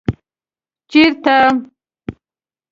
ـ چېرته ؟